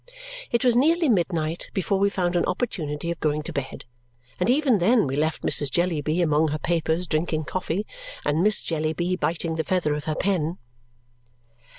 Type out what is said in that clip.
It was nearly midnight before we found an opportunity of going to bed, and even then we left Mrs. Jellyby among her papers drinking coffee and Miss Jellyby biting the feather of her pen.